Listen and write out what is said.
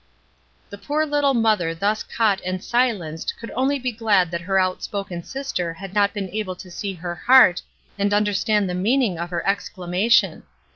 " The poor Uttle mother thus caught and silenced could only be glad that her outspoken sister had not been able to see into her heart and understand the meaning of her exclamation.